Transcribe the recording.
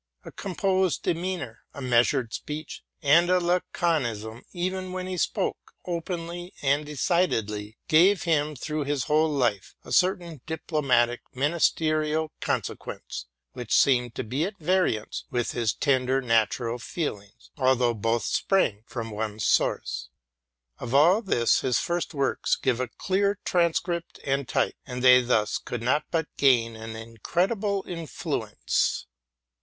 A composed demeanor, a meas ured speech, and a laconism even when he spoke openly and decidedly, gave him, through his whole life, a certain diplo matic ministerial consequence, which seemed to be at variance with his tender natural feelings, although both sprang from one source. Of all this, his first works give a clear transcript and type ; and they thus could not but gain an incredible influ ence.